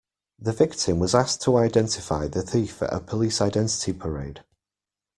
The victim was asked to identify the thief at a police identity parade